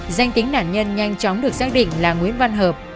danh tính nạn nhân nhanh chóng được xác định là nguyễn văn hợp